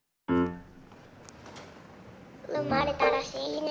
生まれたらしいね。